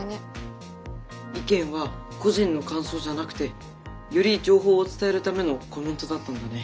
意見は個人の感想じゃなくてより情報を伝えるためのコメントだったんだね。